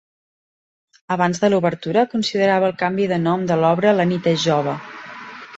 Abans de l'obertura, considerava el canvi de nom de l'obra "la nit és jove".